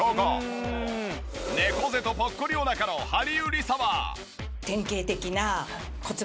猫背とぽっこりお腹のハリウリサは。